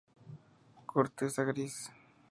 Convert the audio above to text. Corteza gris.